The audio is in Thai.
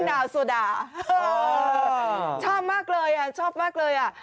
ดาวโซดาชอบมากเลยอ่ะชอบมากเลยอ่ะ